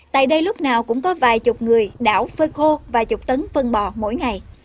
tại đây lúc nào cũng có vài chục người đảo phơi khô vài chục tấn phân bò mỗi ngày